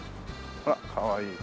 ほらかわいい。